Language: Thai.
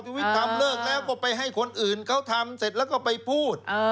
วิทย์ทำเลิกแล้วก็ไปให้คนอื่นเขาทำเสร็จแล้วก็ไปพูด